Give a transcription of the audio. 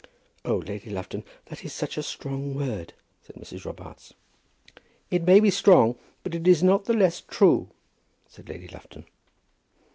"Oh, Lady Lufton, that is such a strong word," said Mrs. Robarts. "It may be strong, but it is not the less true," said Lady Lufton.